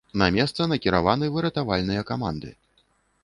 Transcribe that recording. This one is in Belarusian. На месца накіраваны выратавальныя каманды.